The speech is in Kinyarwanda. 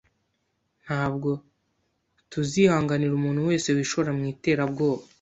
Ntabwo tuzihanganira umuntu wese wishora mu iterabwoba.